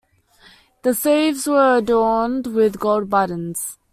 The sleeves were adorned with gold buttons.